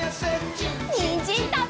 にんじんたべるよ！